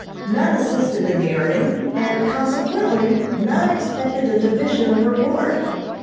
None assisted in the earning, and consequently none expected a division of reward.